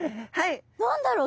何だろう？